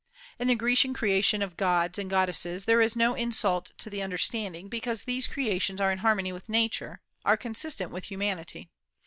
In the Grecian creations of gods and goddesses there is no insult to the understanding, because these creations are in harmony with Nature, are consistent with humanity.